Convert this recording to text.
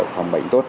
phòng bệnh tốt